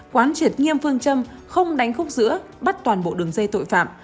quán triệt nghiêm phương châm không đánh khúc giữa bắt toàn bộ đường dây tội phạm